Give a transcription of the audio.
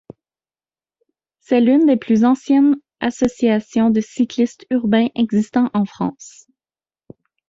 C'est l'une des plus anciennes associations de cyclistes urbains existant en France.